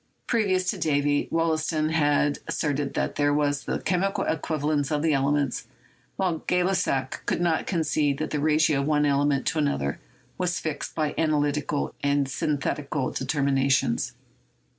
Previous to Davy, Wollaston had asserted that these were the chemical equivalents of the elements, while Gay Lussac would only concede that the ratio of one ele ment to another was fixed by analytical and synthetical determinations.